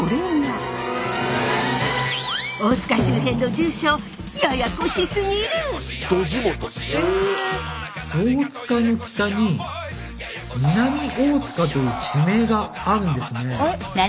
大塚の北に南大塚という地名があるんですね。